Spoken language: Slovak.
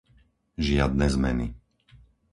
Žiadne zmeny.